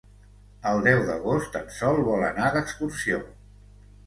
El deu d'agost en Sol vol anar d'excursió.